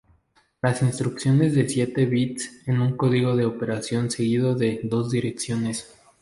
Las instrucciones de siete bytes en un código de operación seguido de dos direcciones.